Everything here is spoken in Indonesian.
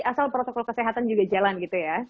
asal protokol kesehatan juga jalan gitu ya